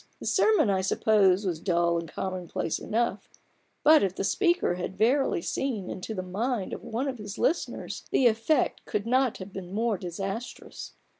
The sermon I suppose, was dull and commonplace enough, but if the speaker had verily seen into the mind of one of his listeners, the effect could not have been more disastrous.